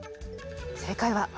正解は？